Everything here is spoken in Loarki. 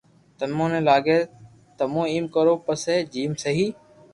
تمي ني لاگي تمو ايم ڪرو پسي جيم سھي